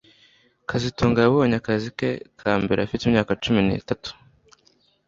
kazitunga yabonye akazi ke ka mbere afite imyaka cumi nitatu